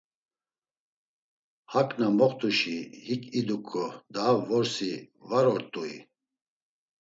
Hak na moxt̆uşi hik iduǩo daha vorsi var ort̆ui!